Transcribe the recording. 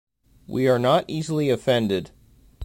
We are not easily offended.